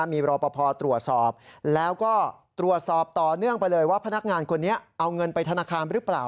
มีรอปภตรวจสอบแล้วก็ตรวจสอบต่อเนื่องไปเลยว่าพนักงานคนนี้เอาเงินไปธนาคารหรือเปล่า